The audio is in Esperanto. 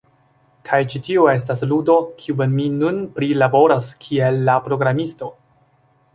Kaj ĉi tio estas ludo, kiun mi nun prilaboras kiel la programisto.